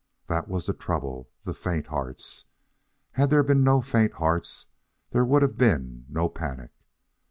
That was the trouble the faint hearts. Had there been no faint hearts there would have been no panic.